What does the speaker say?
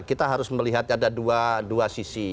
kita harus melihat ada dua sisi